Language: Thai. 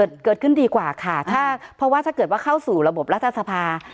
เกิดขึ้นดีกว่าค่ะถ้าเพราะว่าถ้าเกิดว่าเข้าสู่ระบบรัฐสภา